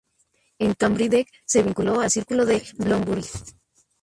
En Cambridge se vinculó al Círculo de Bloomsbury.